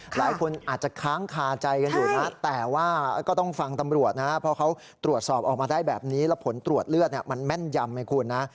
หลายคนอาจจะค้างคาใจกันอยู่นะแต่ว่าก็ต้องฟังตำรวจนะเพราะเขาตรวจสอบออกมาได้แบบนี้แล้วผลตรวจเลือดมันแม่นยำไงคุณนะ